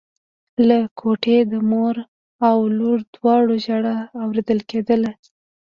له کوټې د مور او لور دواړو ژړا اورېدل کېدله.